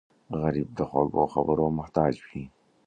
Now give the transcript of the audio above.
غریب د خوږو خبرو محتاج وي